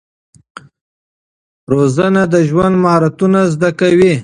روزنه د ژوند مهارتونه زده کوي.